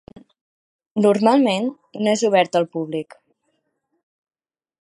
Normalment no és obert al públic.